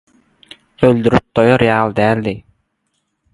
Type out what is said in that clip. Öldürip doýar ýaly däldi.